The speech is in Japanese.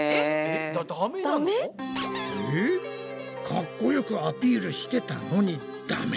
かっこよくアピールしてたのにダメ？